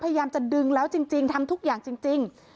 พยายามจะดึงแล้วจริงทำทุกอย่างจริง